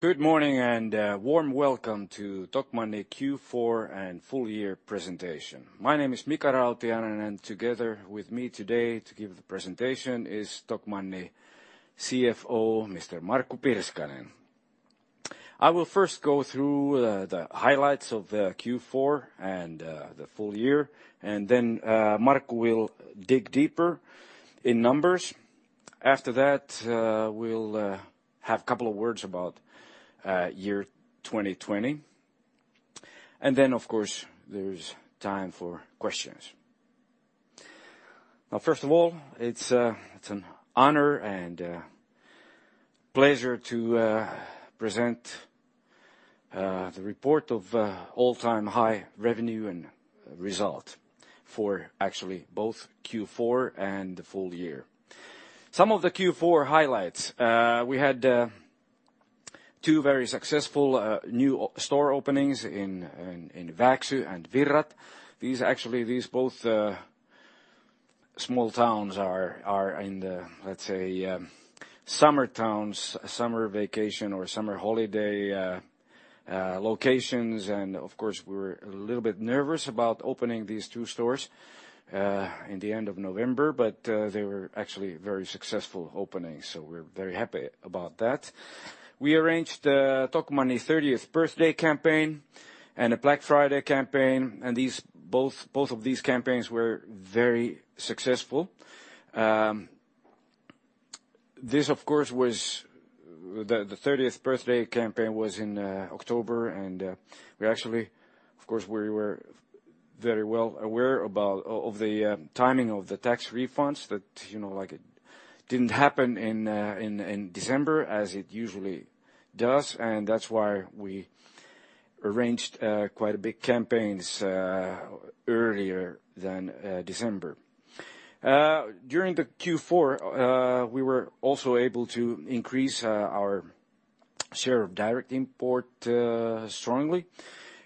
Good morning and a warm welcome to Tokmanni Q4 and full year presentation. My name is Mika Rautiainen. Together with me today to give the presentation is Tokmanni CFO, Mr. Markku Pirskanen. I will first go through the highlights of Q4 and the full year, and then Markku will dig deeper in numbers. After that, we'll have a couple of words about year 2020, and then, of course, there's time for questions. Now, first of all, it's an honor and a pleasure to present the report of all-time high revenue and result for actually both Q4 and the full year. Some of the Q4 highlights. We had two very successful new store openings in Vääksy and Virrat. These both small towns are in the, let's say, summer towns, summer vacation, or summer holiday locations. Of course, we're a little bit nervous about opening these two stores in the end of November, but they were actually very successful openings, so we're very happy about that. We arranged the Tokmanni 30th birthday campaign and a Black Friday campaign, and both of these campaigns were very successful. The 30th birthday campaign was in October, and we actually were very well aware of the timing of the tax refunds that it didn't happen in December as it usually does, and that's why we arranged quite a big campaigns earlier than December. During the Q4, we were also able to increase our share of direct import strongly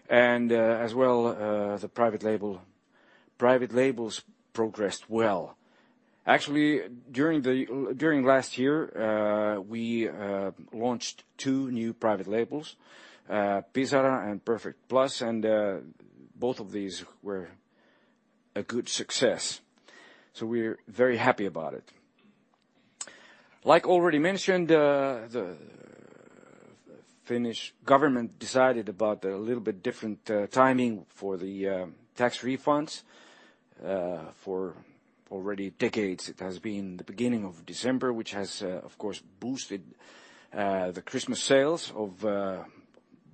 and as well, the private labels progressed well. Actually, during last year, we launched two new private labels, Pisara and Perfekt+, and both of these were a good success, so we're very happy about it. Already mentioned, the Finnish government decided about a little bit different timing for the tax refunds. For already decades, it has been the beginning of December, which has, of course, boosted the Christmas sales of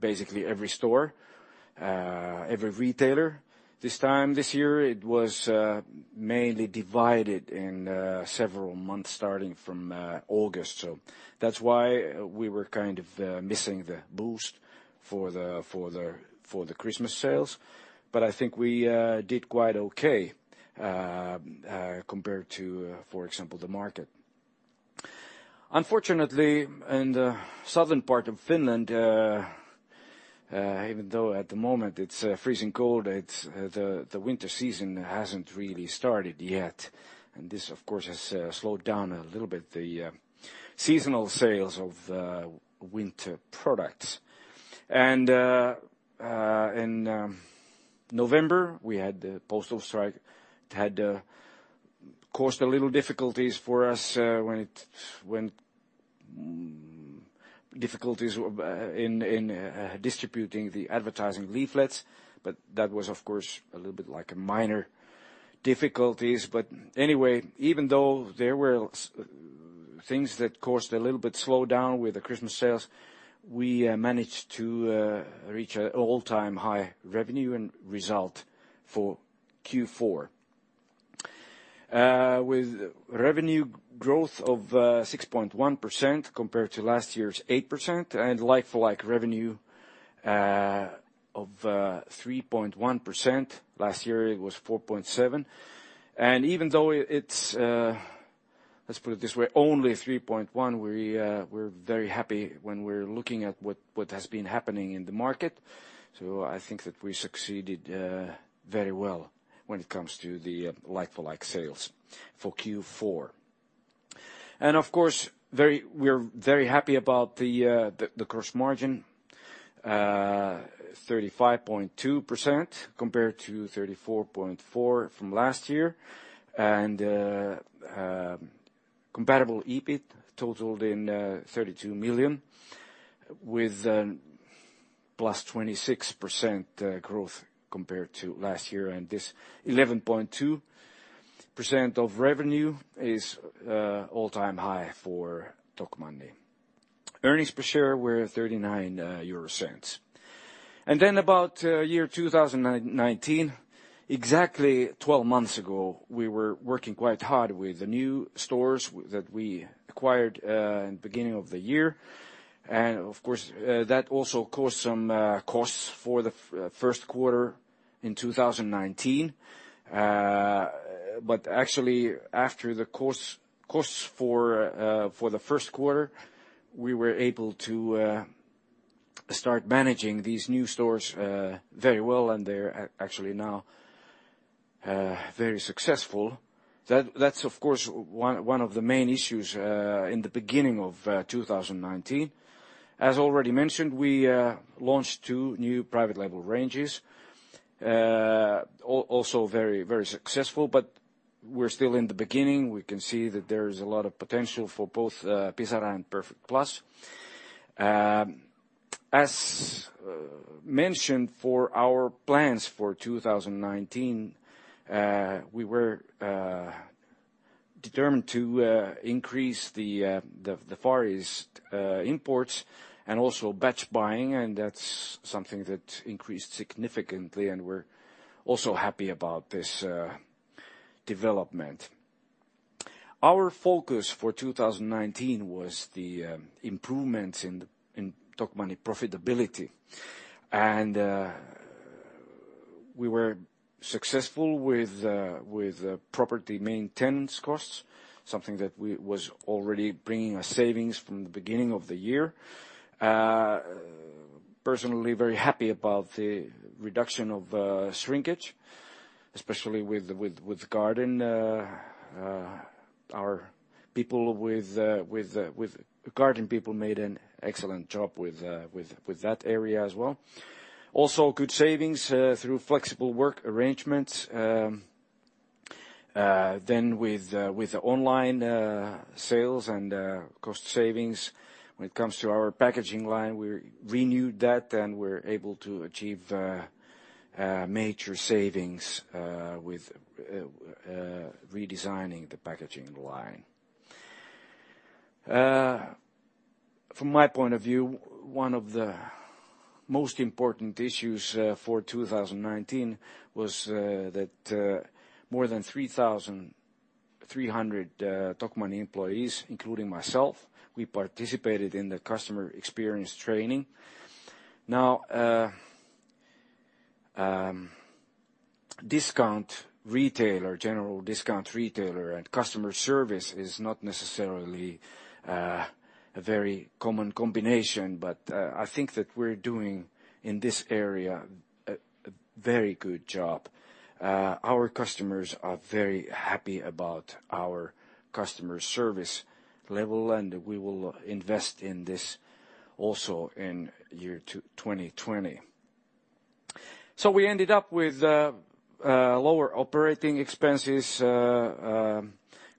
basically every store, every retailer. This time this year, it was mainly divided in several months, starting from August. That's why we were kind of missing the boost for the Christmas sales. I think we did quite okay compared to, for example, the market. Unfortunately, in the southern part of Finland, even though at the moment it's freezing cold, the winter season hasn't really started yet. This, of course, has slowed down a little bit the seasonal sales of winter products. In November, we had the postal strike that had caused a little difficulties for us. Difficulties in distributing the advertising leaflets, that was of course, a little bit like a minor difficulties. Even though there were things that caused a little bit slowdown with the Christmas sales, we managed to reach an all-time high revenue and result for Q4. With revenue growth of 6.1% compared to last year's 8%, and like-for-like revenue of 3.1%. Last year, it was 4.7%. Even though it's, let's put it this way, only 3.1%, we're very happy when we're looking at what has been happening in the market. I think that we succeeded very well when it comes to the like-for-like sales for Q4. Of course, we're very happy about the gross margin, 35.2% compared to 34.4% from last year. Comparable EBIT totaled in 32 million with +26% growth compared to last year. This 11.2% of revenue is all-time high for Tokmanni. Earnings per share were 0.39. About 2019, exactly 12 months ago, we were working quite hard with the new stores that we acquired in the beginning of the year. That also caused some costs for the first quarter in 2019. After the costs for the first quarter, we were able to start managing these new stores very well, and they're actually now very successful. That's of course, one of the main issues in the beginning of 2019. As already mentioned, we launched two new private label ranges. Also very successful, but we're still in the beginning. We can see that there's a lot of potential for both Pisara and Perfekt+. As mentioned for our plans for 2019, we were determined to increase the Far East imports and also batch buying, and that's something that increased significantly, and we're also happy about this development. Our focus for 2019 was the improvements in Tokmanni profitability. We were successful with property maintenance costs, something that was already bringing us savings from the beginning of the year. Personally, very happy about the reduction of shrinkage, especially with garden. Our garden people made an excellent job with that area as well. Also good savings through flexible work arrangements. With the online sales and cost savings when it comes to our packaging line, we renewed that and we're able to achieve major savings with redesigning the packaging line. From my point of view, one of the most important issues for 2019 was that more than 3,300 Tokmanni employees, including myself, we participated in the customer experience training. General discount retailer and customer service is not necessarily a very common combination, but I think that we're doing, in this area, a very good job. Our customers are very happy about our customer service level, we will invest in this also in year 2020. We ended up with lower operating expenses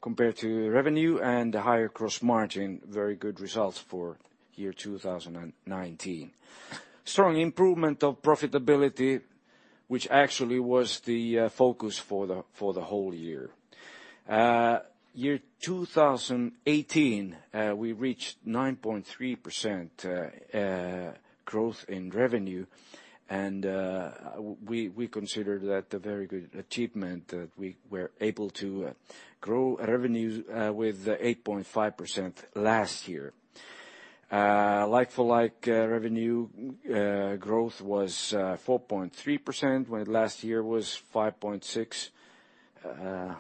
compared to revenue and a higher gross margin. Very good results for year 2019. Strong improvement of profitability, which actually was the focus for the whole year. Year 2018, we reached 9.3% growth in revenue, we consider that a very good achievement that we were able to grow revenue with 8.5% last year. Like-for-like revenue growth was 4.3%, when last year it was 5.6%.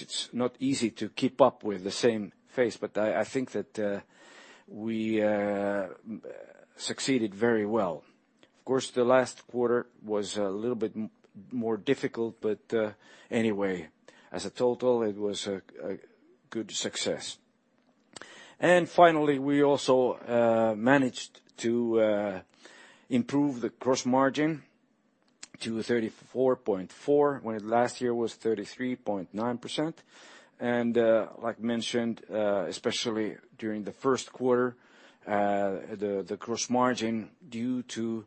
It's not easy to keep up with the same pace, but I think that we succeeded very well. The last quarter was a little bit more difficult, anyway, as a total, it was a good success. Finally, we also managed to improve the gross margin to 34.4%, when last year it was 33.9%. Like mentioned especially during the first quarter, the gross margin, due to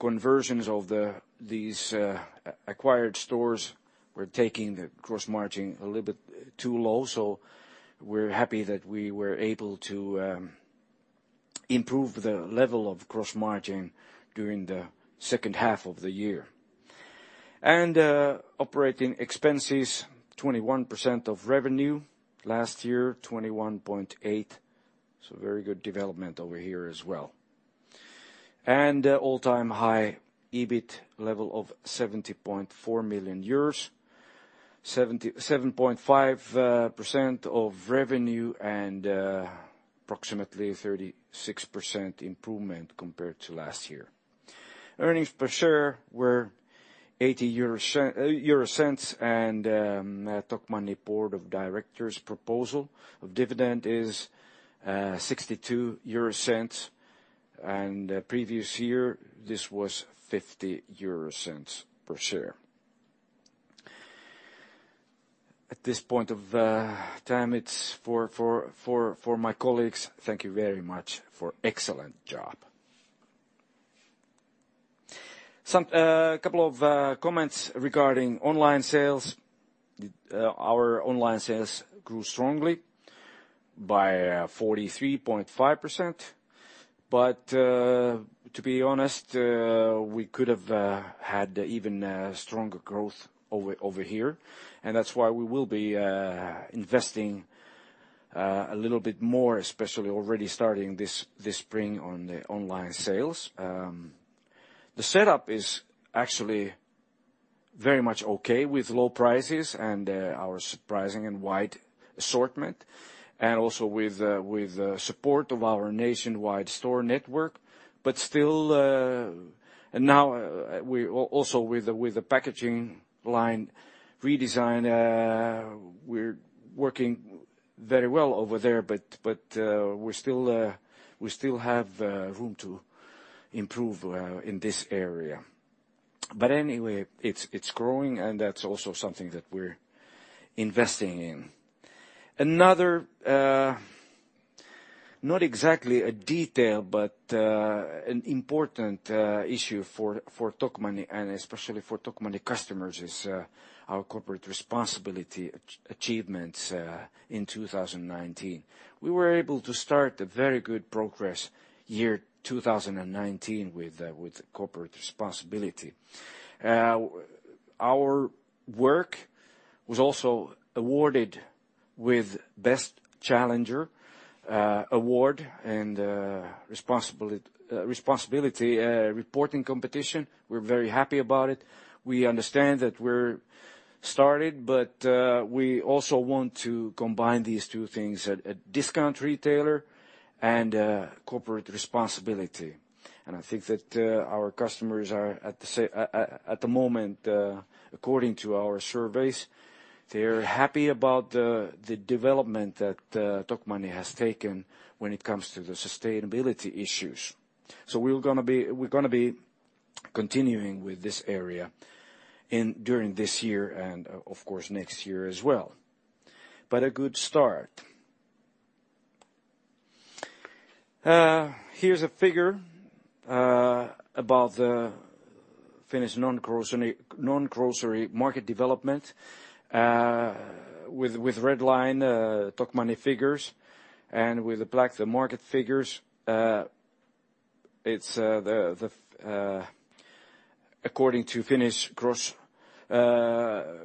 conversions of these acquired stores, were taking the gross margin a little bit too low. We're happy that we were able to improve the level of gross margin during the second half of the year. Operating expenses, 21% of revenue. Last year, 21.8%. Very good development over here as well. All-time high EBIT level of 70.4 million euros, 7.5% of revenue and approximately 36% improvement compared to last year. Earnings per share were 0.80. Tokmanni board of directors' proposal of dividend is 0.62. Previous year, this was 0.50 per share. At this point of the time, it's for my colleagues, thank you very much for excellent job. A couple of comments regarding online sales. Our online sales grew strongly by 43.5%. To be honest, we could have had even stronger growth over here. That's why we will be investing a little bit more, especially already starting this spring on the online sales. The setup is actually very much okay with low prices and our surprising and wide assortment. Also with support of our nationwide store network. Still, now also with the packaging line redesign, we're working very well over there. We still have room to improve in this area. Anyway, it's growing. That's also something that we're investing in. Not exactly a detail, but an important issue for Tokmanni, and especially for Tokmanni customers, is our corporate responsibility achievements in 2019. We were able to start a very good progress year 2019 with corporate responsibility. Our work was also awarded with Best Challenger Award in the responsibility reporting competition. We're very happy about it. We understand that we're started, we also want to combine these two things at discount retailer and corporate responsibility. I think that our customers are, at the moment according to our surveys, they're happy about the development that Tokmanni has taken when it comes to the sustainability issues. We're going to be continuing with this area during this year and of course, next year as well. A good start. Here's a figure about the Finnish non-grocery market development. With red line, Tokmanni figures. With the black, the market figures. According to Finnish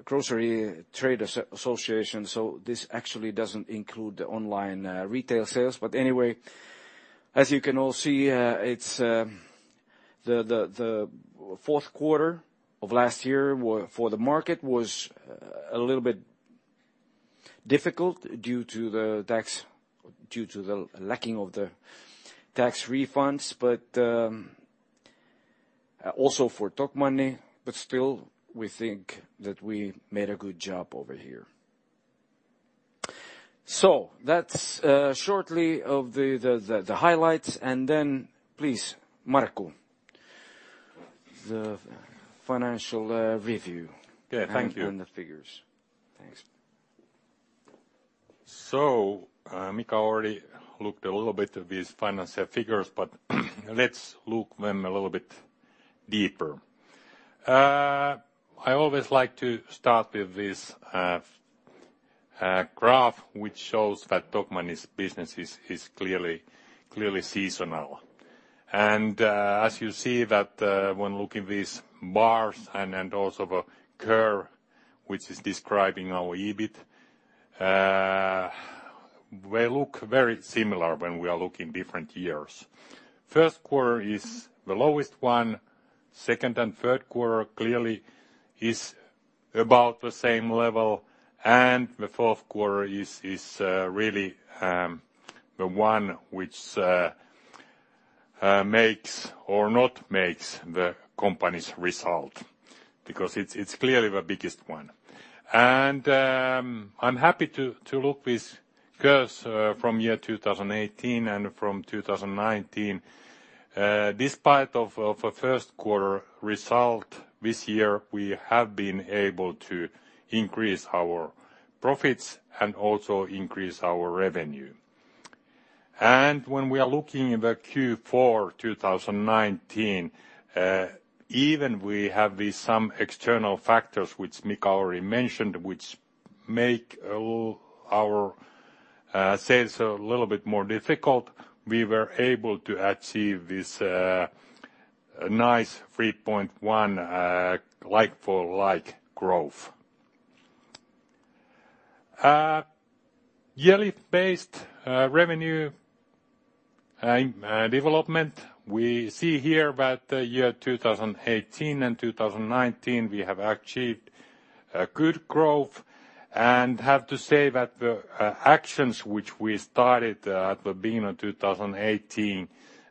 Grocery Trade Association, this actually doesn't include the online retail sales. Anyway, as you can all see, the fourth quarter of last year for the market was a little bit difficult due to the lacking of the tax refunds, but also for Tokmanni. Still, we think that we made a good job over here. That's shortly of the highlights. Please, Markku, the financial review. Yeah. Thank you. The figures. Thanks. Mika already looked a little bit of these financial figures, but let's look them a little bit deeper. I always like to start with this graph, which shows that Tokmanni's business is clearly seasonal. As you see that when looking these bars and also the curve, which is describing our EBIT, they look very similar when we are looking different years. First quarter is the lowest one, second and third quarter clearly is about the same level, and the fourth quarter is really the one which makes or not makes the company's result. Because it's clearly the biggest one. I'm happy to look this curves from year 2018 and from 2019. Despite of the first quarter result this year, we have been able to increase our profits and also increase our revenue. When we are looking in the Q4 2019, even we have some external factors which Mika already mentioned, which make our sales a little bit more difficult, we were able to achieve this nice 3.1 like-for-like growth. Yearly-based revenue development, we see here that 2018 and 2019, we have achieved a good growth and have to say that the actions which we started at the beginning of 2018,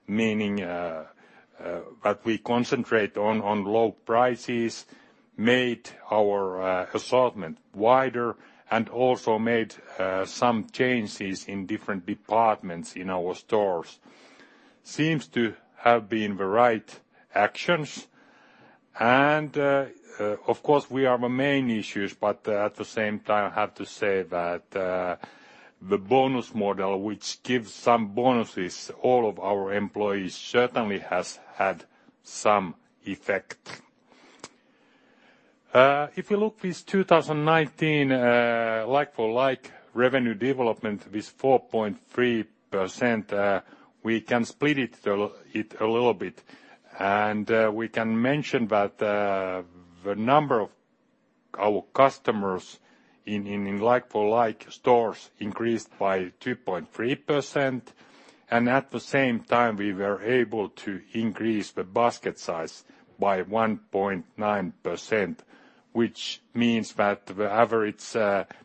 meaning that we concentrate on low prices, made our assortment wider and also made some changes in different departments in our stores. Seems to have been the right actions and of course we are the main issues, at the same time, I have to say that the bonus model, which gives some bonuses, all of our employees certainly has had some effect. If you look this 2019 like-for-like revenue development, this 4.3%, we can split it a little bit. We can mention that the number of our customers in like-for-like stores increased by 2.3%. At the same time, we were able to increase the basket size by 1.9%, which means that the average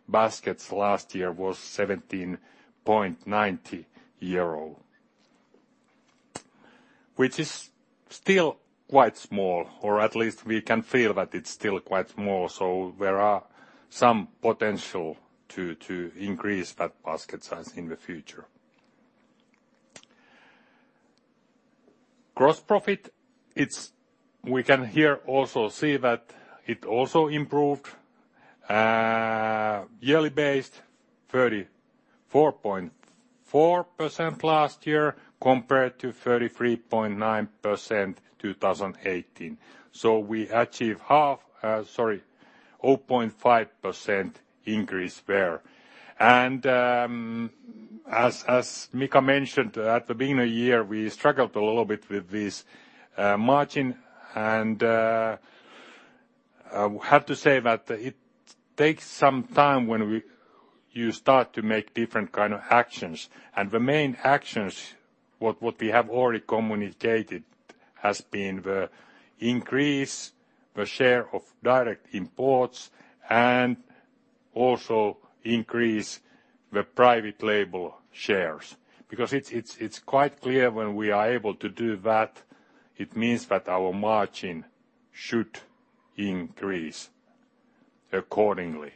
baskets last year was 17.90 euro. Which is still quite small, or at least we can feel that it is still quite small. There are some potential to increase that basket size in the future. Gross profit, we can here also see that it also improved yearly based 34.4% last year compared to 33.9% 2018. We achieve 0.5% increase there. As Mika mentioned, at the beginning of the year, we struggled a little bit with this margin. I have to say that it takes some time when you start to make different kind of actions. The main actions, what we have already communicated, has been the increase the share of direct imports and also increase the private label shares. It's quite clear when we are able to do that, it means that our margin should increase accordingly.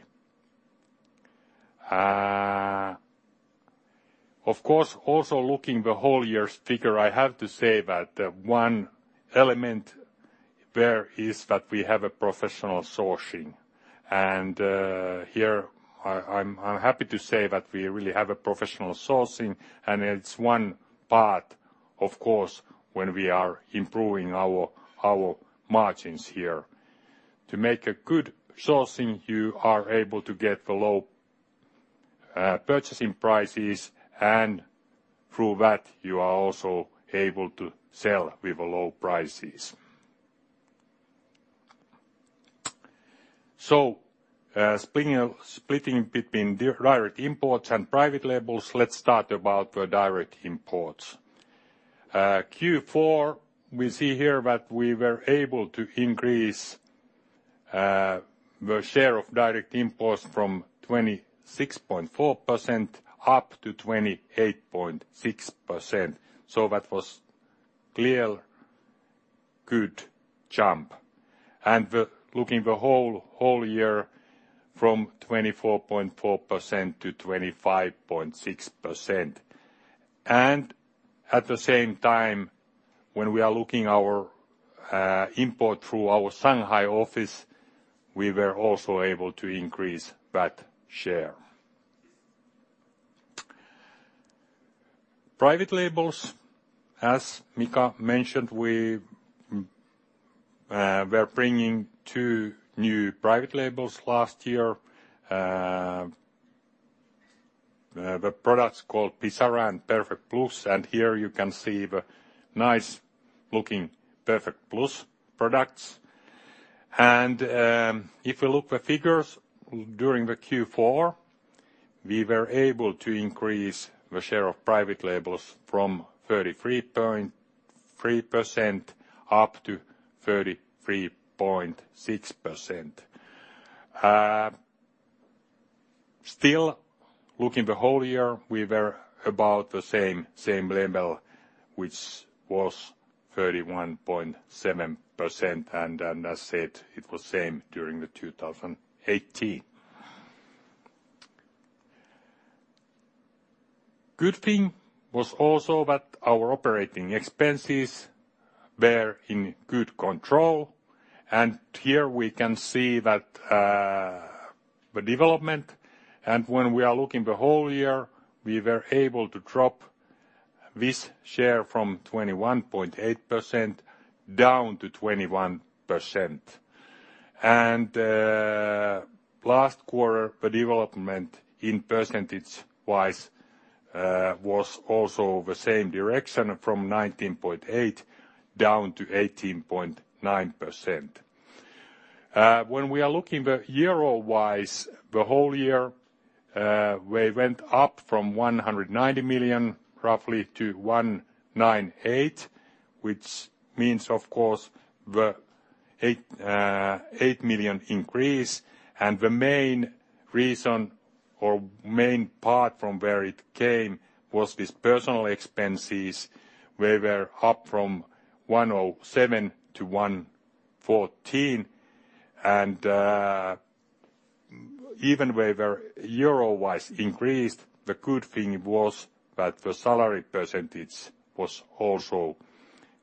Of course, also looking the whole year's figure, I have to say that one element there is that we have a professional sourcing. Here I'm happy to say that we really have a professional sourcing and it's one part, of course, when we are improving our margins here. To make a good sourcing, you are able to get the low purchasing prices, and through that you are also able to sell with low prices. Splitting between direct imports and private labels, let's start about the direct imports. Q4, we see here that we were able to increase the share of direct imports from 26.4% up to 28.6%. That was clear good jump. Looking the whole year from 24.4% to 25.6%. At the same time when we are looking our import through our Shanghai office, we were also able to increase that share. Private labels, as Mika mentioned, we're bringing two new private labels last year. The products called Pisara and Perfekt+, and here you can see the nice-looking Perfekt+ products. If you look the figures during the Q4, we were able to increase the share of private labels from 33.3% up to 33.6%. Still looking the whole year, we were about the same level, which was 31.7% and as said, it was same during the 2018. Good thing was also that our operating expenses were in good control and here we can see that the development and when we are looking the whole year we were able to drop this share from 21.8% down to 21%. Last quarter the development in percentage-wise was also the same direction from 19.8% down to 18.9%. When we are looking the euro-wise the whole year, we went up from 190 million roughly to 198 million, which means of course the 8 million increase and the main reason or main part from where it came was this personal expenses were up from 107 million to 114 million and even were euro-wise increased. The good thing was that the salary percentage was also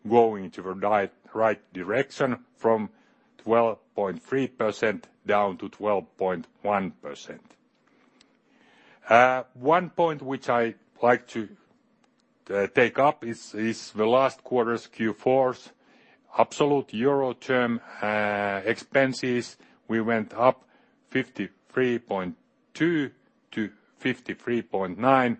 going to the right direction from 12.3% down to 12.1%. One point which I like to take up is the last quarter's Q4's absolute euro term expenses. We went up 53.2 million to 53.9 million,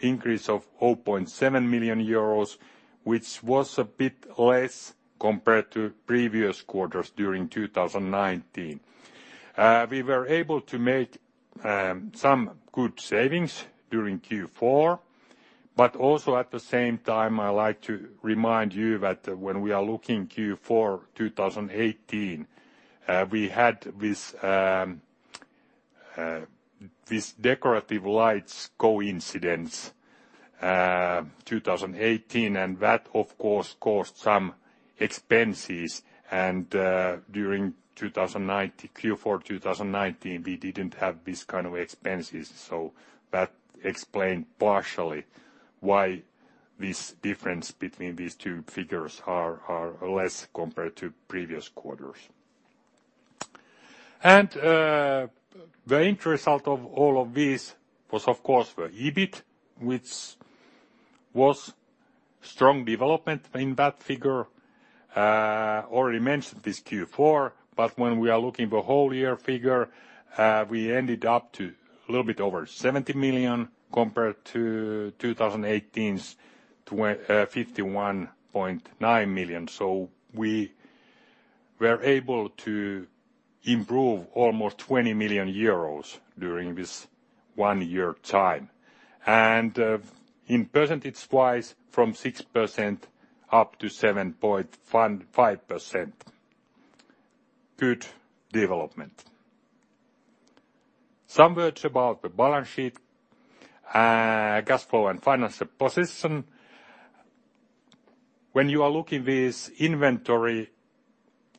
increase of 0.7 million euros, which was a bit less compared to previous quarters during 2019. We were able to make some good savings during Q4. Also at the same time, I like to remind you that when we are looking Q4 2018, we had These decorative lights coincidence 2018. That, of course, caused some expenses. During Q4 2019, we didn't have these kind of expenses. That explain partially why this difference between these two figures are less compared to previous quarters. The end result of all of these was, of course, the EBIT, which was strong development in that figure. Already mentioned this Q4. When we are looking the whole year figure, we ended up to a little bit over 70 million compared to 2018's 51.9 million. We were able to improve almost 20 million euros during this one-year time. In percentage-wise, from 6% up to 7.5%. Good development. Some words about the balance sheet, cash flow and financial position. When you are looking these inventory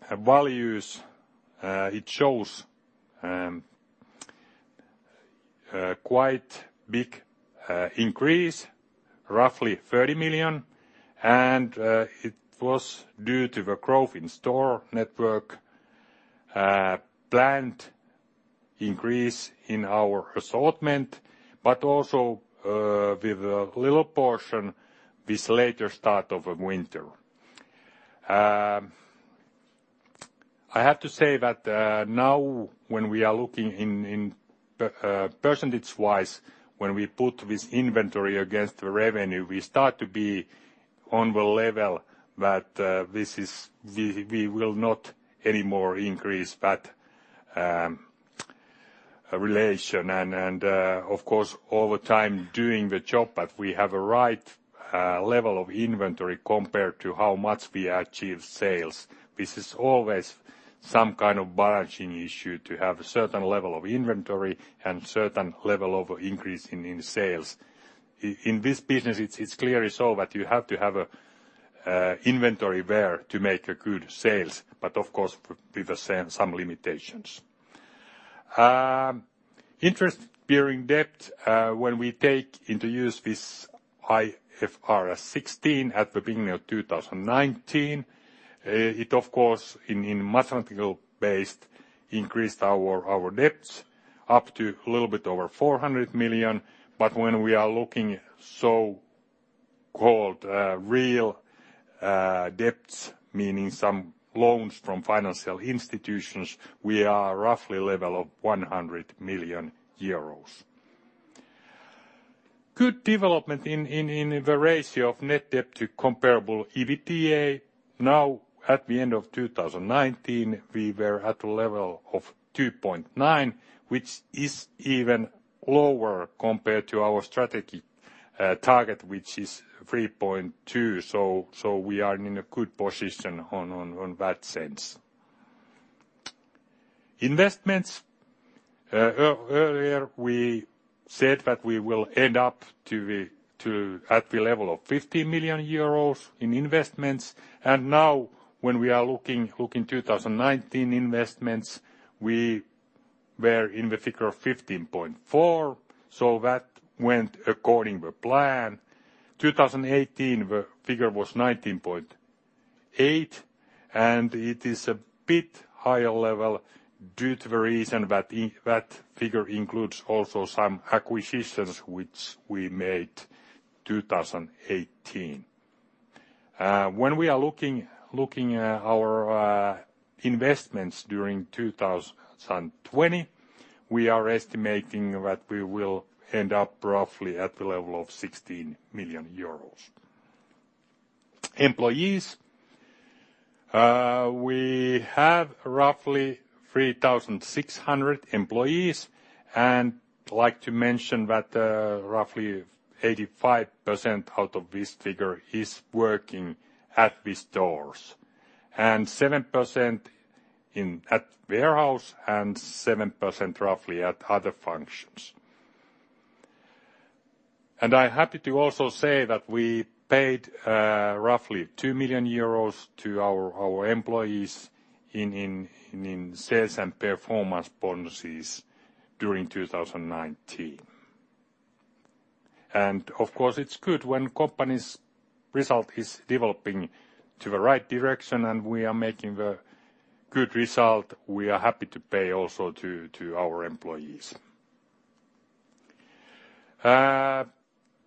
values, it shows quite big increase, roughly 30 million, and it was due to the growth in store network, planned increase in our assortment, but also with a little portion, this later start of the winter. I have to say that now when we are looking in percentage-wise, when we put this inventory against the revenue, we start to be on the level that we will not anymore increase that relation and, of course, over time doing the job that we have a right level of inventory compared to how much we achieve sales. This is always some kind of balancing issue to have a certain level of inventory and certain level of increase in sales. In this business, it's clear so that you have to have inventory there to make good sales, but of course, with some limitations. Interest-bearing debt, when we take into use this IFRS 16 at the beginning of 2019 it, of course, in mathematical based increased our debts up to a little bit over 400 million. When we are looking so-called real debts, meaning some loans from financial institutions, we are roughly level of 100 million euros. Good development in the ratio of net debt to comparable EBITDA. Now, at the end of 2019, we were at a level of 2.9, which is even lower compared to our strategy target, which is 3.2. We are in a good position on that sense. Investments. Earlier we said that we will end up at the level of 50 million euros in investments, and now when we are looking 2019 investments, we were in the figure of 15.4 million, so that went according to plan. 2018, the figure was 19.8 million, and it is a bit higher level due to the reason that that figure includes also some acquisitions which we made 2018. When we are looking at our investments during 2020, we are estimating that we will end up roughly at the level of 16 million euros. Employees. We have roughly 3,600 employees and like to mention that roughly 85% out of this figure is working at the stores, and 7% at warehouse and 7% roughly at other functions. I'm happy to also say that we paid roughly 2 million euros to our employees in sales and performance bonuses during 2019. Of course, it's good when company's result is developing to the right direction and we are making the good result, we are happy to pay also to our employees.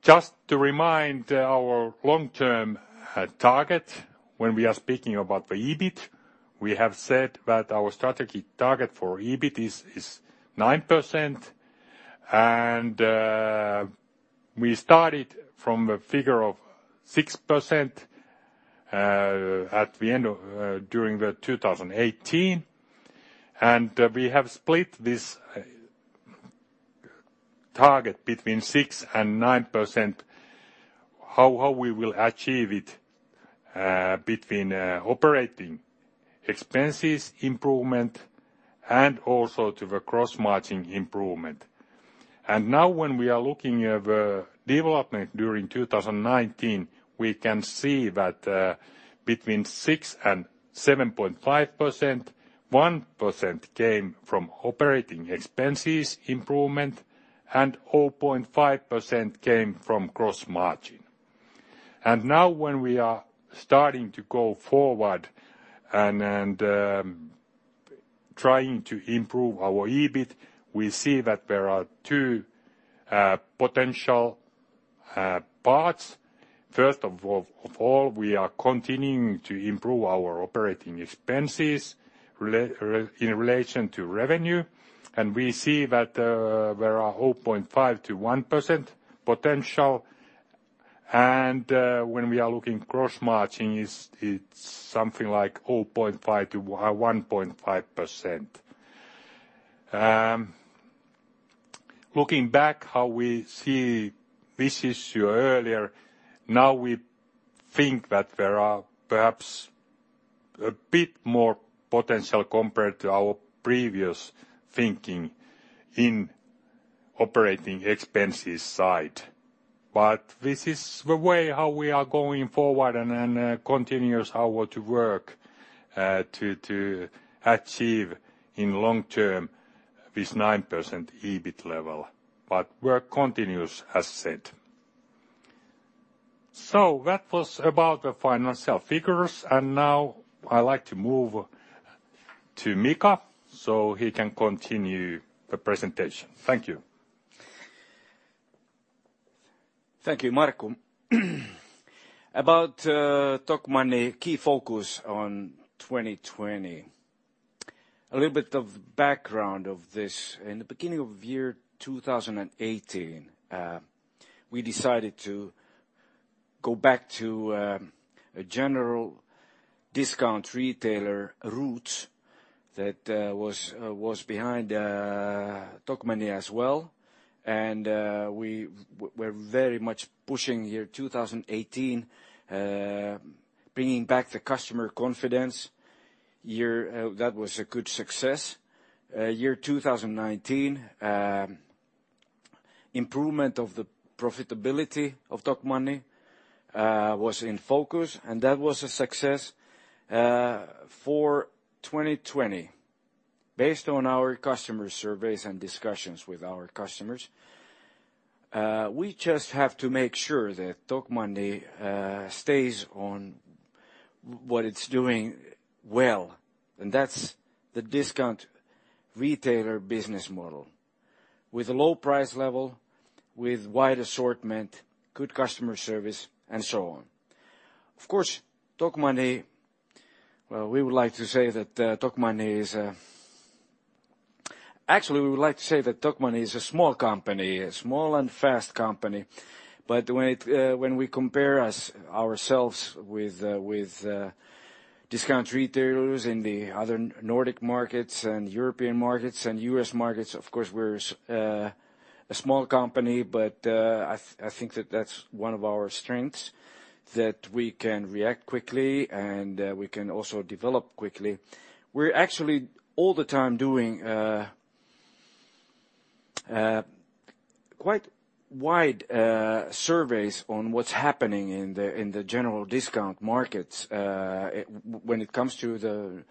Just to remind our long-term target when we are speaking about the EBIT, we have said that our strategy target for EBIT is 9%, and we started from a figure of 6% during 2018, and we have split this target between 6% and 9%, how we will achieve it between operating expenses improvement and also to the gross margin improvement. Now when we are looking at the development during 2019, we can see that between 6% and 7.5%, 1% came from operating expenses improvement and 0.5% came from gross margin. Now when we are starting to go forward and trying to improve our EBIT, we see that there are two potential parts. First of all, we are continuing to improve our operating expenses in relation to revenue, and we see that there are 0.5%-1% potential. When we are looking gross margin, it's something like 0.5%-1.5%. Looking back how we see this issue earlier, now we think that there are perhaps a bit more potential compared to our previous thinking in operating expenses side. This is the way how we are going forward and then continues our work to achieve in long term this 9% EBIT level. Work continues as said. That was about the financial figures, and now I like to move to Mika so he can continue the presentation. Thank you. Thank you, Markku. About Tokmanni key focus on 2020. A little bit of background of this. In the beginning of year 2018, we decided to go back to a general discount retailer route that was behind Tokmanni as well. We're very much pushing year 2018 bringing back the customer confidence. That was a good success. Year 2019 improvement of the profitability of Tokmanni was in focus, and that was a success. For 2020, based on our customer surveys and discussions with our customers, we just have to make sure that Tokmanni stays on what it's doing well, and that's the discount retailer business model with a low price level, with wide assortment, good customer service, and so on. Of course, Tokmanni Well, we would like to say that Tokmanni is a small company, a small and fast company. When we compare ourselves with discount retailers in the other Nordic markets and European markets and U.S. markets, of course, we're a small company, but I think that that's one of our strengths that we can react quickly, and we can also develop quickly. We're actually all the time doing quite wide surveys on what's happening in the general discount markets when it comes to the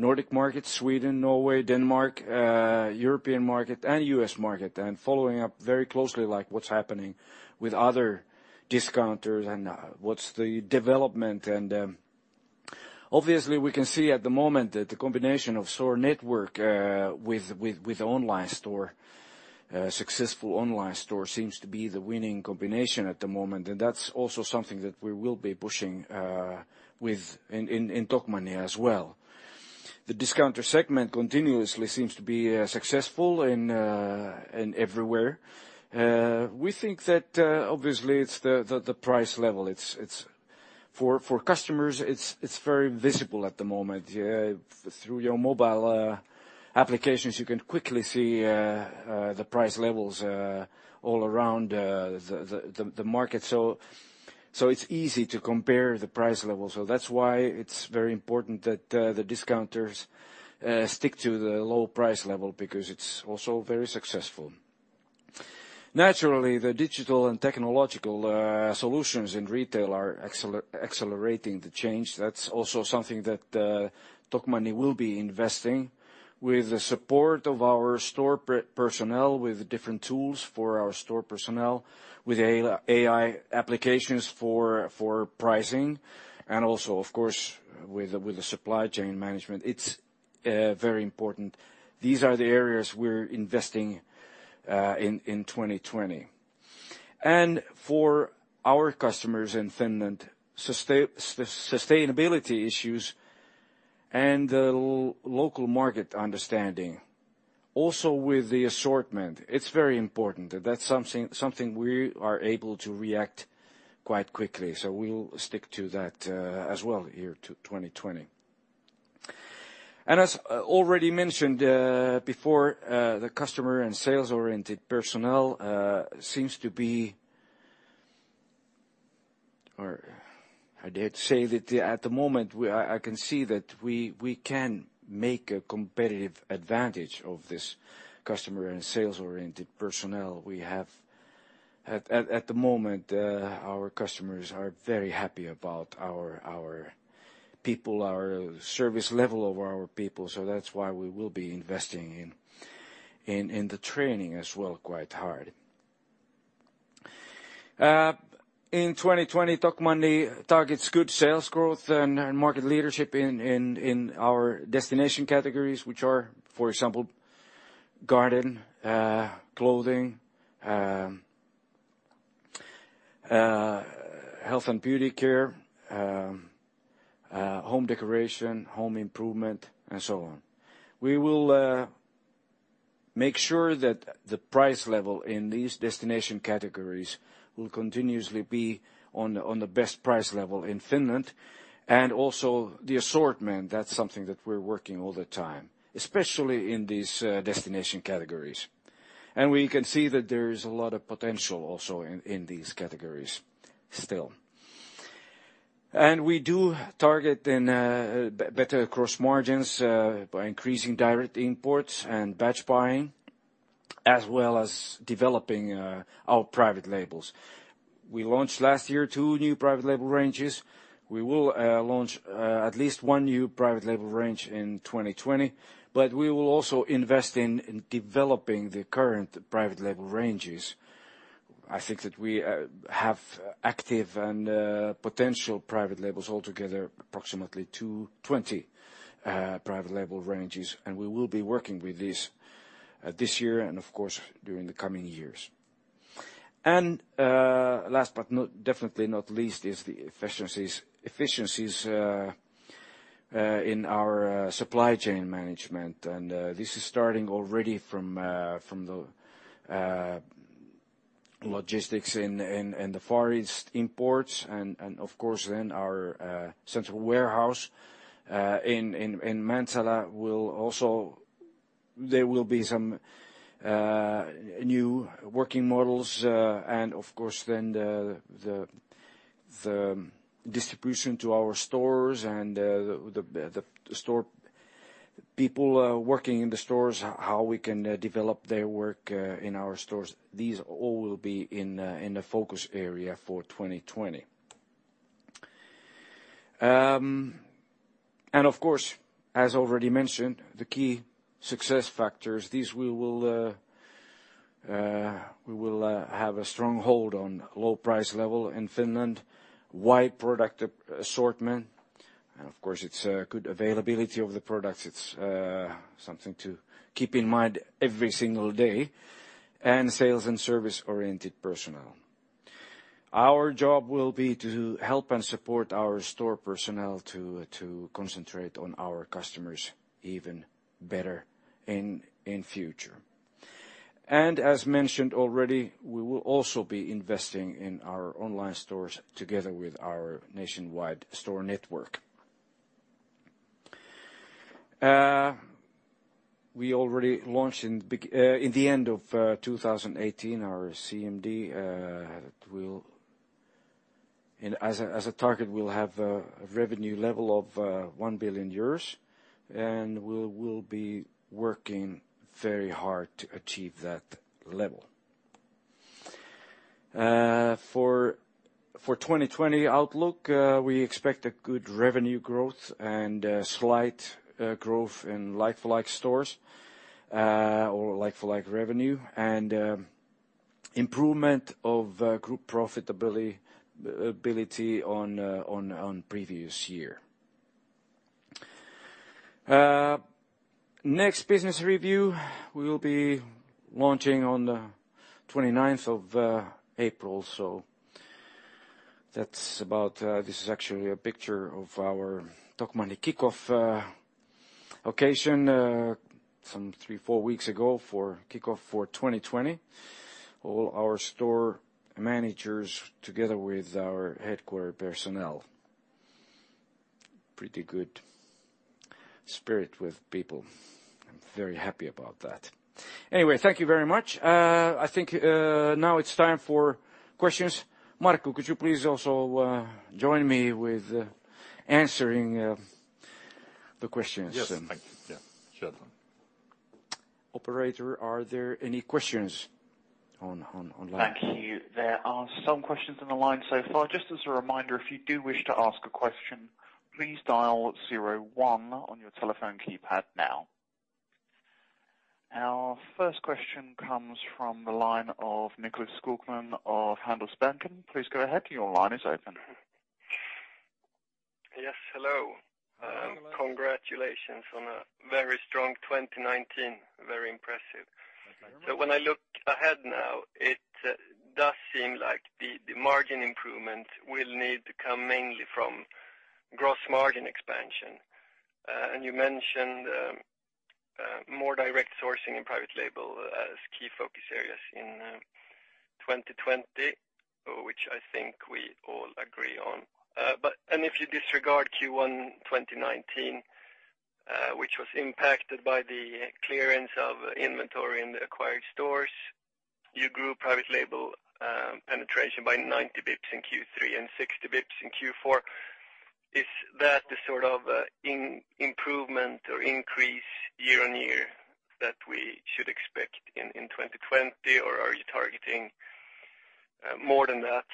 Nordic market, Sweden, Norway, Denmark, European market, and U.S. market, and following up very closely, like what's happening with other discounters and what's the development. Obviously, we can see at the moment that the combination of store network with online store, successful online store seems to be the winning combination at the moment. That's also something that we will be pushing in Tokmanni as well. The discounter segment continuously seems to be successful in everywhere. We think that obviously it's the price level. For customers, it's very visible at the moment. Through your mobile applications, you can quickly see the price levels all around the market. It's easy to compare the price level. That's why it's very important that the discounters stick to the low price level because it's also very successful. Naturally, the digital and technological solutions in retail are accelerating the change. That's also something that Tokmanni will be investing with the support of our store personnel, with different tools for our store personnel, with AI applications for pricing, and also, of course, with the supply chain management. It's very important. These are the areas we're investing in 2020. For our customers in Finland, sustainability issues and the local market understanding, also with the assortment, it's very important. That's something we are able to react quite quickly. We'll stick to that as well year 2020. As already mentioned before, I dare say that at the moment, I can see that we can make a competitive advantage of this customer and sales-oriented personnel we have. At the moment, our customers are very happy about our people, our service level of our people. That's why we will be investing in the training as well, quite hard. In 2020, Tokmanni targets good sales growth and market leadership in our destination categories, which are, for example, garden, clothing, health and beauty care, home decoration, home improvement, and so on. We will make sure that the price level in these destination categories will continuously be on the best price level in Finland and also the assortment. That's something that we're working all the time, especially in these destination categories. We can see that there's a lot of potential also in these categories, still. We do target better gross margins by increasing direct imports and batch buying, as well as developing our private labels. We launched last year two new private label ranges. We will launch at least one new private label range in 2020. We will also invest in developing the current private label ranges. I think that we have active and potential private labels altogether, approximately 220 private label ranges. We will be working with these this year and of course, during the coming years. Last, but definitely not least, is the efficiencies in our supply chain management. This is starting already from the logistics in the Far East imports and of course, our central warehouse in Mäntsälä. There will be some new working models, and of course then the distribution to our stores and the people working in the stores, how we can develop their work in our stores. These all will be in the focus area for 2020. Of course, as already mentioned, the key success factors. These we will have a strong hold on low price level in Finland, wide product assortment, and of course it's good availability of the products. It's something to keep in mind every single day, and sales and service-oriented personnel. Our job will be to help and support our store personnel to concentrate on our customers even better in future. As mentioned already, we will also be investing in our online stores together with our nationwide store network. We already launched in the end of 2018, our CMD. As a target, we'll have a revenue level of 1 billion euros, and we will be working very hard to achieve that level. For 2020 outlook, we expect a good revenue growth and a slight growth in like-for-like stores or like-for-like revenue and improvement of group profitability on previous year. Next business review will be launching on the 29th of April. This is actually a picture of our Tokmanni kickoff occasion some three, four weeks ago for kickoff for 2020. All our store managers together with our headquarter personnel. Pretty good spirit with people. I'm very happy about that. Anyway, thank you very much. I think now it's time for questions. Markku, could you please also join me with answering the questions? Yes. Thank you. Sure. Operator, are there any questions online? Thank you. There are some questions on the line so far. Just as a reminder, if you do wish to ask a question, please dial zero one on your telephone keypad now. Our first question comes from the line of Nicklas Skogman of Handelsbanken. Please go ahead. Your line is open. Yes. Hello. Hello. Congratulations on a very strong 2019. Very impressive. Thank you very much. When I look ahead now, it does seem like the margin improvement will need to come mainly from gross margin expansion. You mentioned more direct sourcing and private label as key focus areas in 2020, which I think we all agree on. If you disregard Q1 2019, which was impacted by the clearance of inventory in the acquired stores, you grew private label penetration by 90 basis points in Q3 and 60 basis points in Q4. Is that the sort of improvement or increase year-on-year that we should expect in 2020? Are you targeting more than that?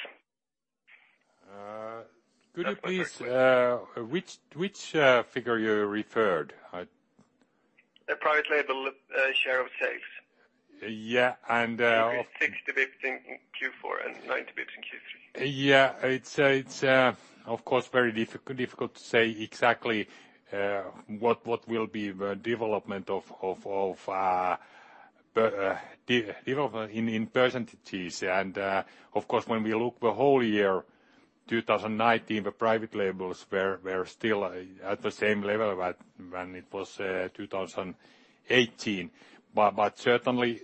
Could you please, which figure you referred? The private label share of sales. Yeah. 60 basis points in Q4 and 90 basis points in Q3. Yeah. It's of course very difficult to say exactly what will be the development in percentages. Of course, when we look the whole year 2019, the private labels were still at the same level when it was 2018. Certainly,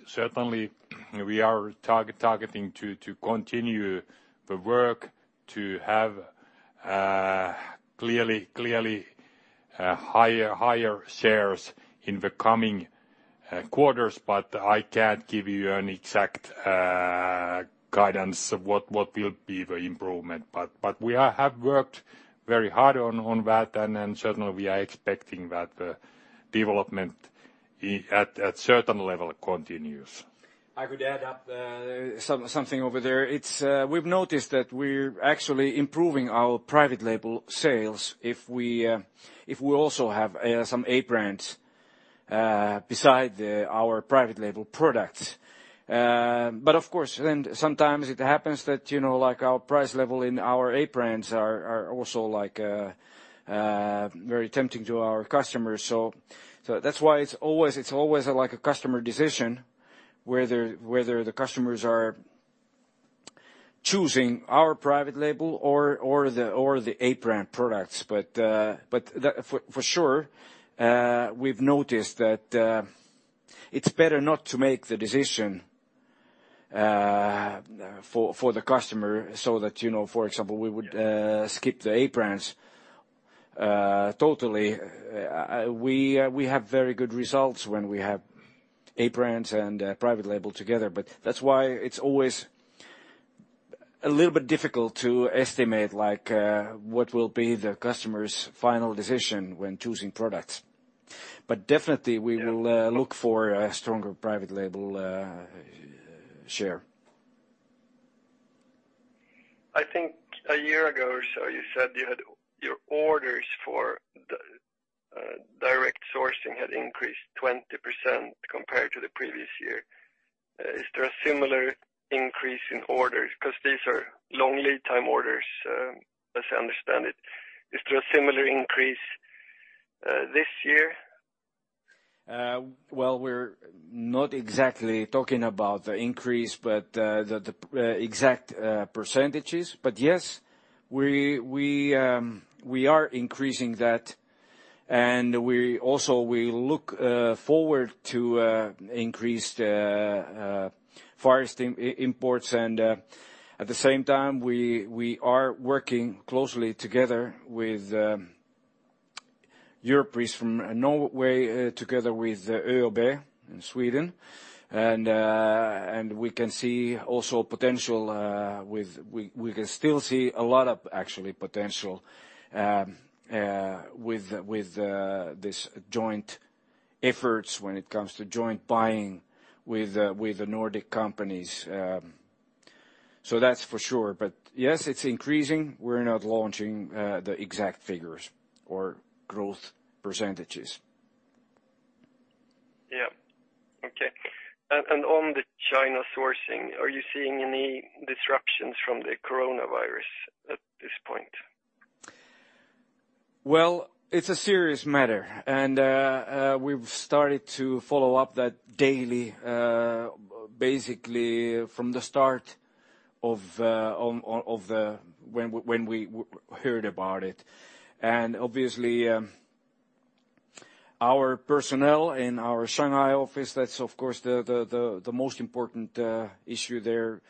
we are targeting to continue the work to have clearly higher shares in the coming quarters, but I can't give you an exact guidance of what will be the improvement. We have worked very hard on that, and certainly we are expecting that the development at certain level continues. I could add up something over there. We have noticed that we are actually improving our private label sales if we also have some A brands beside our private label product. Of course, then sometimes it happens that our price level in our A brands are also very tempting to our customers. That is why it is always a customer decision whether the customers are choosing our private label or the A brand products. For sure, we have noticed that it is better not to make the decision for the customer so that, for example, we would skip the A brands totally. We have very good results when we have A brands and private label together, but that is why it is always a little bit difficult to estimate what will be the customer's final decision when choosing products. Definitely we will look for a stronger private label share. I think a year ago or so you said your orders for direct sourcing had increased 20% compared to the previous year. Is there a similar increase in orders? Because these are long lead time orders, as I understand it. Is there a similar increase this year? Well, we're not exactly talking about the increase, the exact percentages. Yes, we are increasing that, we also will look forward to increased Far East imports. At the same time, we are working closely together with Europris from Norway, together with ÖoB in Sweden. We can still see a lot of actual potential with these joint efforts when it comes to joint buying with the Nordic companies. That's for sure. Yes, it's increasing. We're not launching the exact figures or growth percentages. Yeah. Okay. On the China sourcing, are you seeing any disruptions from the coronavirus at this point? Well, it's a serious matter, and we've started to follow up that daily, basically from the start when we heard about it. Obviously, our personnel in our Shanghai office, that's of course the most important issue there.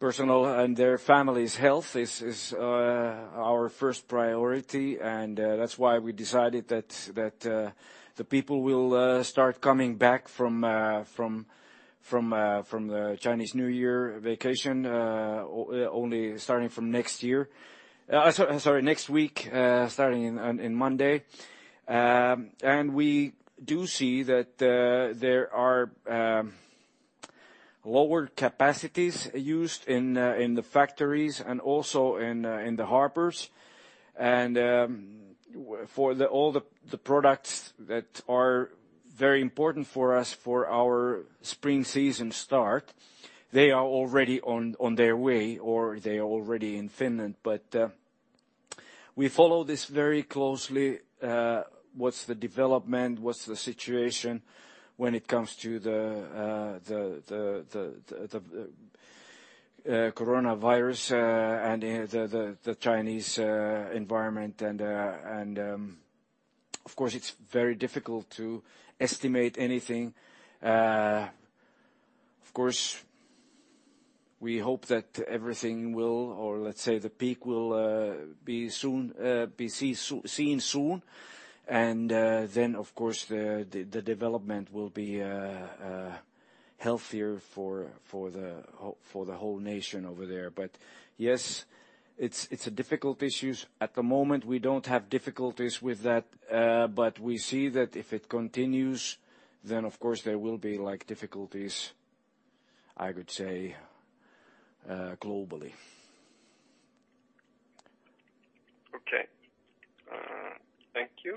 Personnel and their family's health is our first priority, and that's why we decided that the people will start coming back from the Chinese New Year vacation only starting from next week, starting in Monday. We do see that there are lower capacities used in the factories and also in the harbors. For all the products that are very important for us for our spring season start, they are already on their way, or they are already in Finland. We follow this very closely. What's the development, what's the situation when it comes to the Coronavirus and the Chinese environment? Of course, it's very difficult to estimate anything. Of course, we hope that everything will or let's say the peak will be seen soon. Then of course the development will be healthier for the whole nation over there. Yes, it's a difficult issue. At the moment, we don't have difficulties with that. We see that if it continues, then of course there will be difficulties, I would say, globally. Okay. Thank you.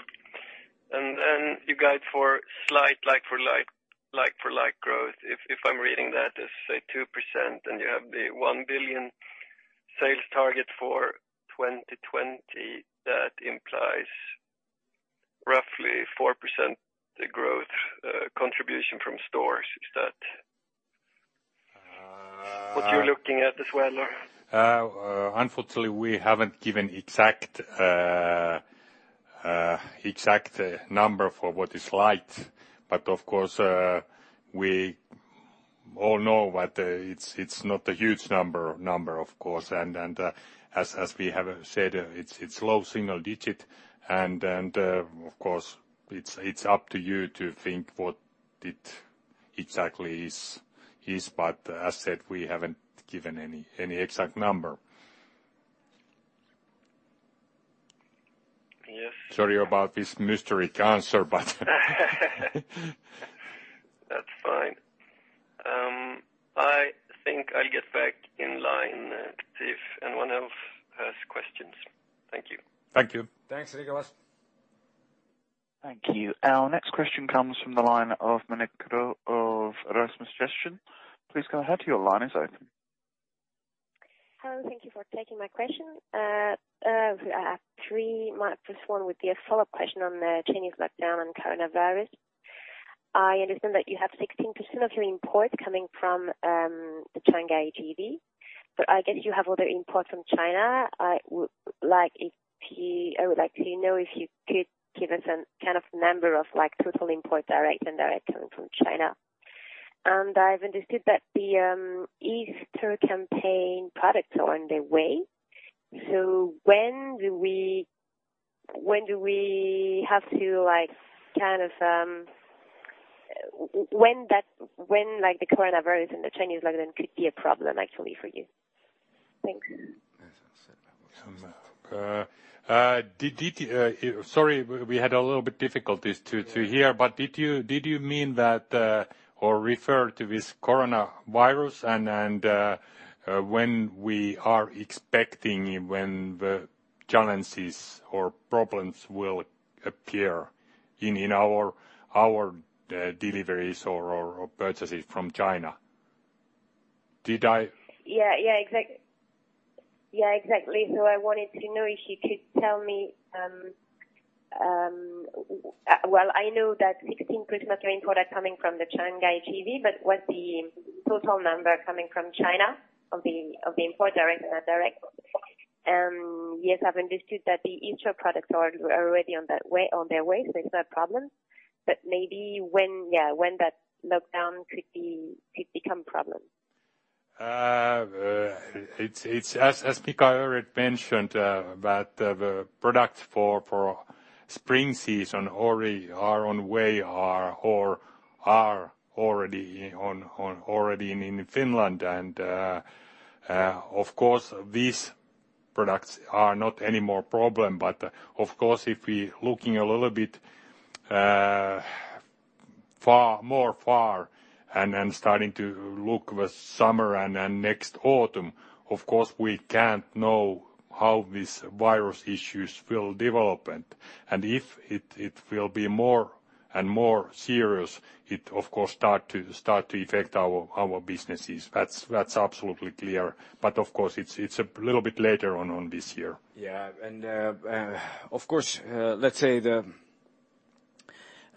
Then you guide for slight like-for-like growth if I'm reading that as say 2% and you have the 1 billion sales target for 2020, that implies roughly 4% growth, contribution from stores. Is that what you're looking at as well? Unfortunately, we haven't given exact number for what is like. Of course, we all know that it's not a huge number of course and as we have said it's low single digit and of course it's up to you to think what it exactly is. As said we haven't given any exact number. Yes. Sorry about this mystery answer, but. That's fine. I think I'll get back in line to see if anyone else has questions. Thank you. Thank you. Thanks, Nicklas. Thank you. Our next question comes from the line of Monique of Rosmas suggestion. Please go ahead, your line is open. Hello, thank you for taking my question. I have three might, this one would be a follow-up question on the Chinese lockdown and Coronavirus. I understand that you have 16% of your imports coming from the Shanghai office. I guess you have other imports from China. I would like to know if you could give us a kind of number of like total import direct and indirect coming from China. I've understood that the Easter campaign products are on the way. When like the Coronavirus and the Chinese lockdown could be a problem actually for you? Thanks. Sorry, we had a little bit difficulties to hear, but did you mean that or refer to this Coronavirus and when we are expecting when the challenges or problems will appear in our deliveries or purchases from China? Yeah, exactly. I wanted to know if you could tell me, well, I know that 16% of your import are coming from the Shanghai office, but what's the total number coming from China of the import direct and indirect? Yes, I've understood that the Easter products are already on their way, so it's not a problem. Maybe when, yeah, when that lockdown could become a problem. It's as Mika already mentioned that the products for spring season already are on way or are already in Finland. Of course, these products are not any more problem. Of course, if we looking a little bit more far and starting to look the summer and next autumn, of course we can't know how this virus issues will develop and if it will be more and more serious, it of course start to affect our businesses. That's absolutely clear. Of course it's a little bit later on this year. Yeah. Of course, let's say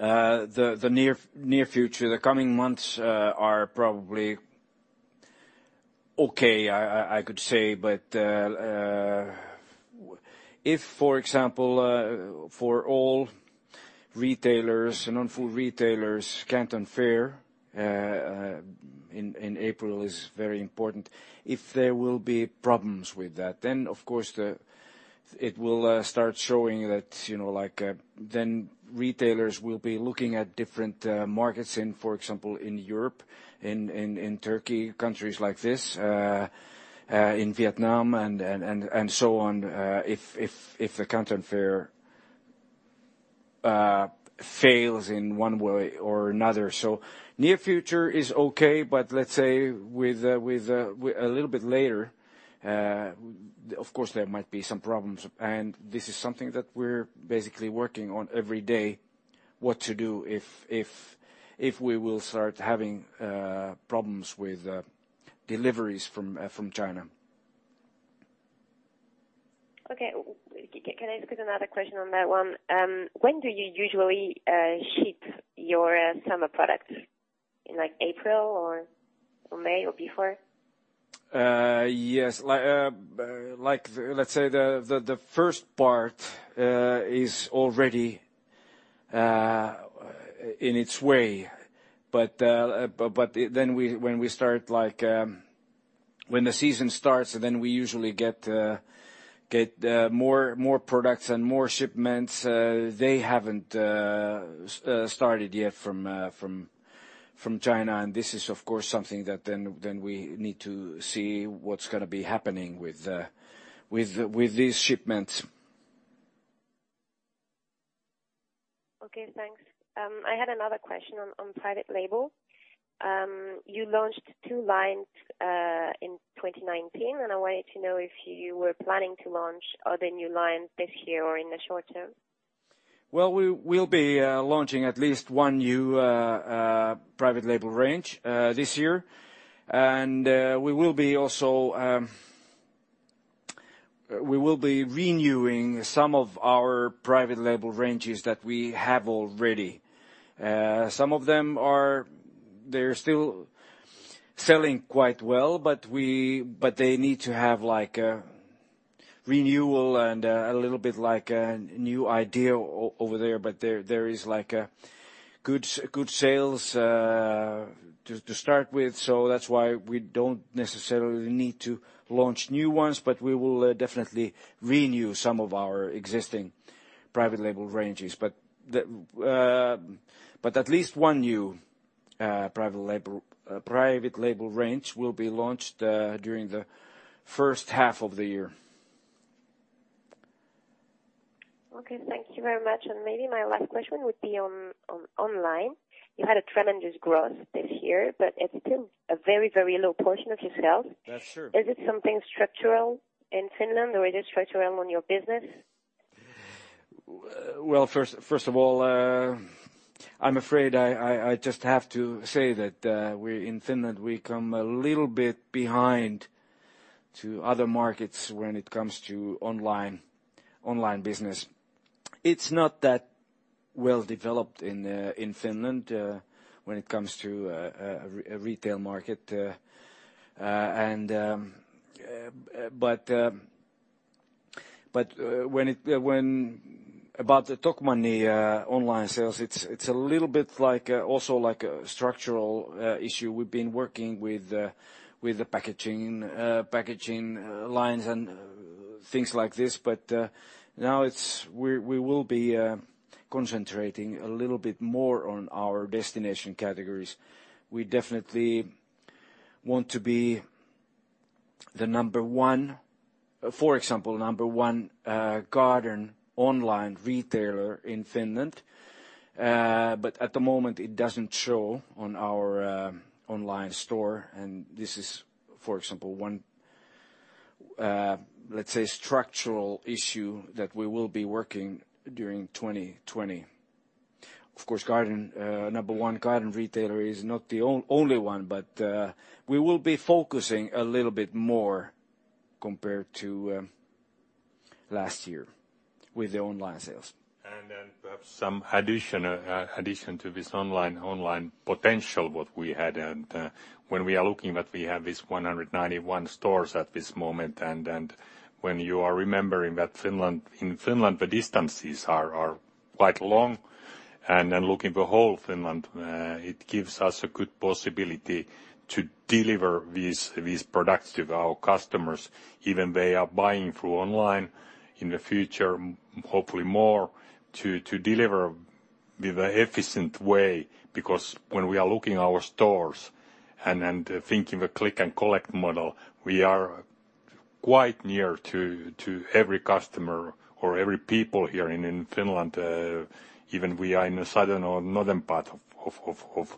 the near future, the coming months are probably okay I could say, but if for example for all retailers and on full retailers, Canton Fair in April is very important. If there will be problems with that, of course it will start showing that retailers will be looking at different markets in, for example, in Europe, in Turkey, countries like this, in Vietnam and so on if the Canton Fair fails in one way or another. Near future is okay, but let's say with a little bit later of course there might be some problems and this is something that we're basically working on every day what to do if we will start having problems with deliveries from China. Okay. Can I ask you another question on that one? When do you usually ship your summer products? In April or May, or before? Yes. Let's say the first part is already in its way. When the season starts, then we usually get more products and more shipments. They haven't started yet from China, this is, of course, something that then we need to see what's going to be happening with these shipments. Okay, thanks. I had another question on private label. You launched two lines in 2019. I wanted to know if you were planning to launch other new lines this year or in the short term. Well, we'll be launching at least one new private label range this year. We will be renewing some of our private label ranges that we have already. Some of them, they're still selling quite well, but they need to have a renewal and a little bit new idea over there. There is good sales to start with. That's why we don't necessarily need to launch new ones, but we will definitely renew some of our existing private label ranges. At least one new private label range will be launched during the first half of the year. Okay, thank you very much. Maybe my last question would be on online. You had a tremendous growth this year, it's still a very low portion of your sales. That's true. Is it something structural in Finland, or is it structural on your business? Well, first of all I'm afraid I just have to say that in Finland, we come a little bit behind to other markets when it comes to online business. It's not that well-developed in Finland when it comes to retail market. About the Tokmanni online sales, it's a little bit also like a structural issue. We've been working with the packaging lines and things like this. Now we will be concentrating a little bit more on our destination categories. We definitely want to be, for example, number one garden online retailer in Finland. At the moment, it doesn't show on our online store, and this is, for example, one let's say structural issue that we will be working during 2020. Of course, number one garden retailer is not the only one, but we will be focusing a little bit more compared to last year with the online sales. Perhaps some addition to this online potential what we had, when we are looking that we have this 191 stores at this moment, when you are remembering that in Finland, the distances are quite long, looking the whole Finland, it gives us a good possibility to deliver these products to our customers even they are buying through online in the future, hopefully more, to deliver with a efficient way. Because when we are looking our stores and thinking the click and collect model, we are quite near to every customer or every people here in Finland even we are in a southern or northern part of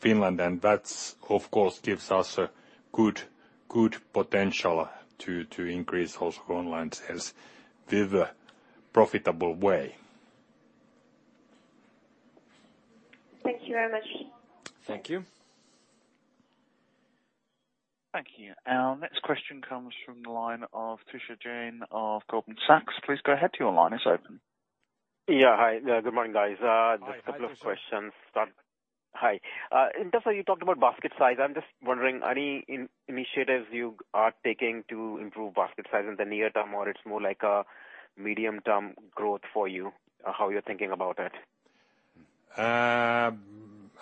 Finland. That's, of course, gives us a good potential to increase also online sales with a profitable way. Thank you very much. Thank you. Thank you. Our next question comes from the line of Teresa Jiang of Goldman Sachs. Please go ahead, your line is open. Yeah. Hi. Good morning, guys. Hi, Teresa. Just a couple of questions. Hi. Markku, you talked about basket size. I'm just wondering, any initiatives you are taking to improve basket size in the near term, or it's more like a medium-term growth for you? How you're thinking about it?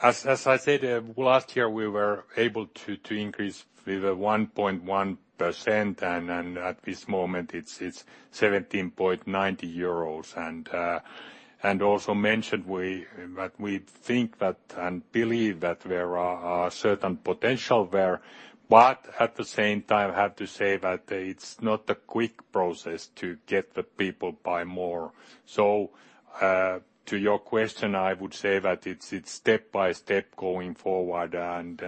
As I said, last year, we were able to increase with a 1.1%. At this moment it's 17.90 euros. Also mentioned that we think that and believe that there are a certain potential there. At the same time, I have to say that it's not a quick process to get the people buy more. To your question, I would say that it's step by step going forward and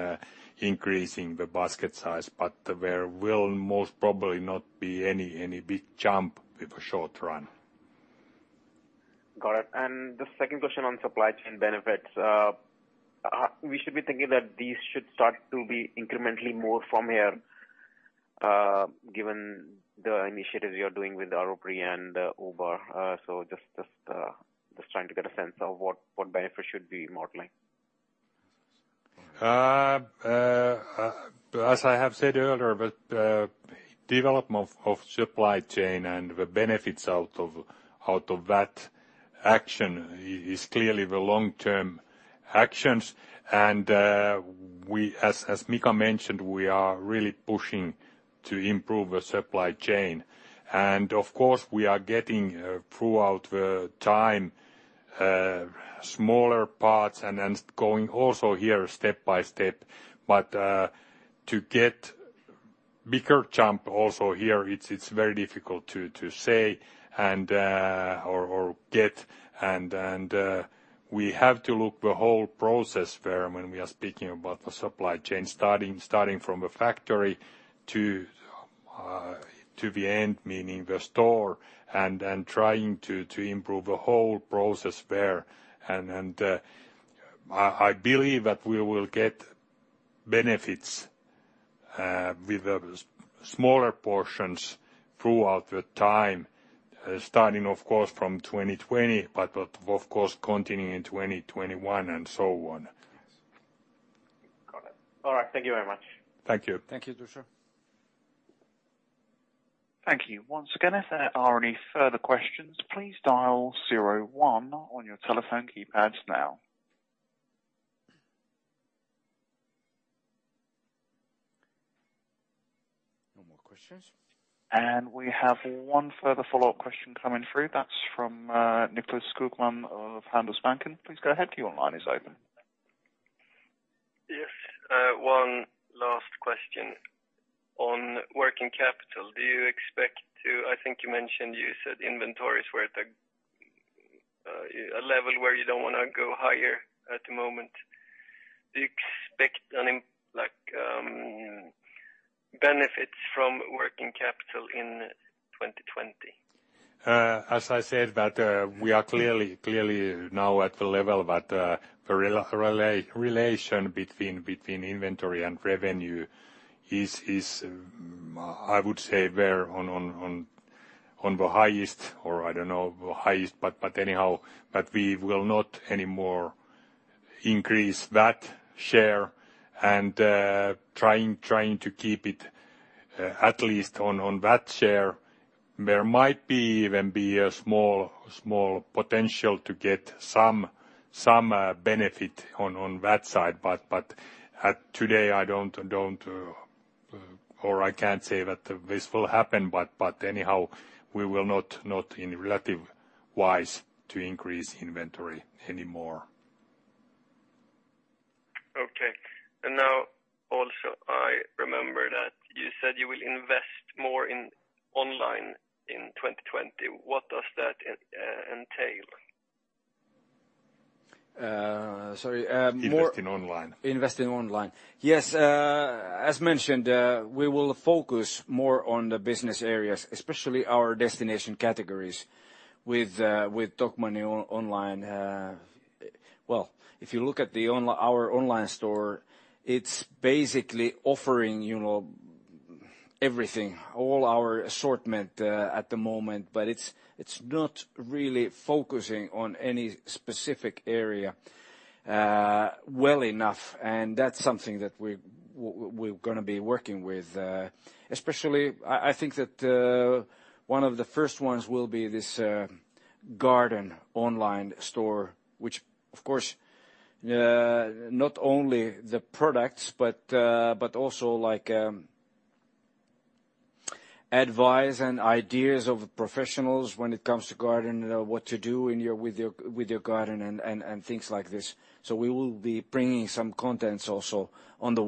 increasing the basket size. There will most probably not be any big jump with the short run. Got it. The second question on supply chain benefits. We should be thinking that these should start to be incrementally more from here, given the initiatives you're doing with Arovi and Uber. Just trying to get a sense of what benefits should we be modeling? As I have said earlier, the development of supply chain and the benefits out of that action is clearly the long-term actions. As Mika mentioned, we are really pushing to improve the supply chain. Of course, we are getting throughout the time smaller parts and then going also here step by step. To get bigger jump also here, it's very difficult to say or get. We have to look the whole process when we are speaking about the supply chain, starting from a factory to the end, meaning the store, and trying to improve the whole process there. I believe that we will get benefits with the smaller portions throughout the time, starting of course from 2020, but of course continuing in 2021 and so on. Got it. All right. Thank you very much. Thank you. Thank you, Teresa. Thank you. Once again, if there are any further questions, please dial zero one on your telephone keypads now. No more questions. We have one further follow-up question coming through. That's from Nicklas Skogman of Handelsbanken. Please go ahead. Your line is open. Yes. One last question on working capital. I think you mentioned you said inventory is where at a level where you don't want to go higher at the moment. Do you expect benefits from working capital in 2020? As I said, that we are clearly now at the level that the relation between inventory and revenue is, I would say we're on the highest or I don't know the highest. Anyhow, that we will not anymore increase that share and trying to keep it at least on that share. There might even be a small potential to get some benefit on that side. Today I don't or I can't say that this will happen. Anyhow, we will not in relative wise to increase inventory anymore. Okay. Now also I remember that you said you will invest more in online in 2020. What does that entail? Sorry. Invest in online. Invest in online. Yes. As mentioned, we will focus more on the business areas, especially our destination categories with Tokmanni online. Well, if you look at our online store, it's basically offering everything, all our assortment at the moment. It's not really focusing on any specific area well enough. That's something that we're going to be working with. Especially, I think that one of the first ones will be this garden online store, which of course not only the products but also advice and ideas of professionals when it comes to garden, what to do with your garden and things like this. We will be bringing some contents also on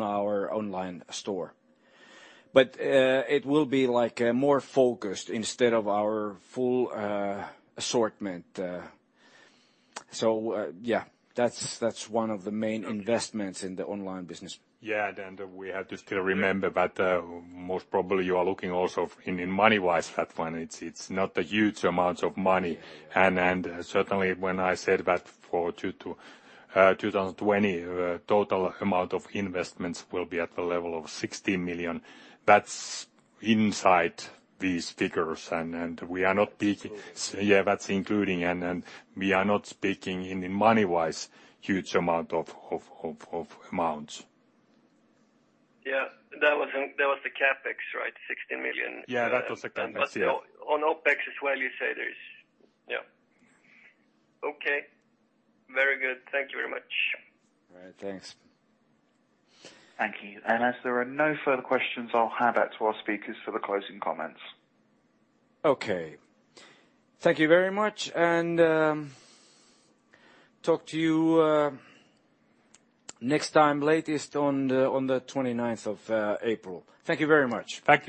our online store. It will be more focused instead of our full assortment. Yeah, that's one of the main investments in the online business. Yeah. We have to still remember that most probably you are looking also in money-wise that one. It's not a huge amount of money. Certainly when I said that for 2020, total amount of investments will be at the level of 16 million. That's inside these figures. We are not speaking- That's including. That's including. We are not speaking in money-wise huge amount of amounts. Yeah. That was the CapEx, right? 16 million. Yeah, that was the CapEx. Yeah. On OpEx as well, you say there's Yeah. Okay. Very good. Thank you very much. All right. Thanks. Thank you. As there are no further questions, I'll hand back to our speakers for the closing comments. Okay. Thank you very much, and talk to you next time latest on the 29th of April. Thank you very much. Thank you.